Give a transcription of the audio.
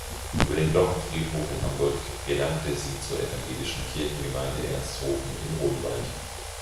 Über den Glockenfriedhof in Hamburg gelangte sie zur Evangelischen Kirchengemeinde Ernsthofen im Odenwald.